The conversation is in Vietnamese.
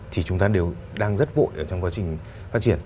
thì chúng ta đều đang rất vụ trong quá trình phát triển